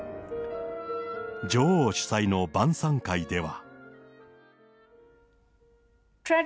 女王主催の晩さん会では。